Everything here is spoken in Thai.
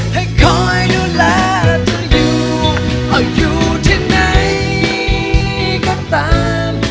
ให้คอยดูแลเธออยู่เอาอยู่ที่ไหนก็ตาม